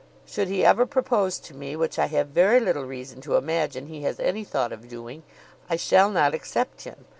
Should he ever propose to me (which I have very little reason to imagine he has any thought of doing), I shall not accept him.